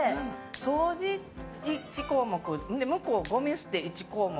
掃除、１項目向こうはごみ捨て１項目。